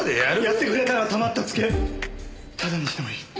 やってくれたらたまったツケタダにしてもいい。